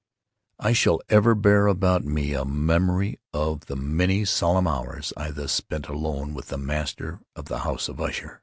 I shall ever bear about me a memory of the many solemn hours I thus spent alone with the master of the House of Usher.